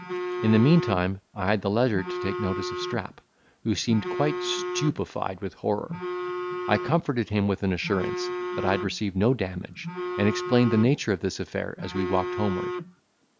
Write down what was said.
In the meantime I had leisure to take notice of Strap, who seemed quite stupified with horror: I comforted him with an assurance, that I had received no damage, and explained the nature of this affair as we walked homeward.